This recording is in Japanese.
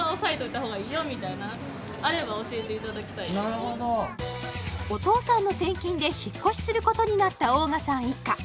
なるほどお父さんの転勤で引っ越しすることになった大賀さん一家